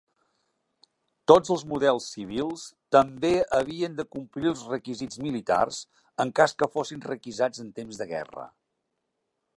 Tots els models civils també havien de complir els requisits militars, en cas que fossin requisats en temps de guerra.